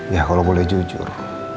ya kalau boleh jujur